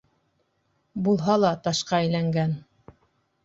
Булһа та ташҡа әйләнгән.